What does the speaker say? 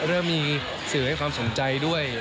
เริ่มมีสื่อให้ความสนใจด้วย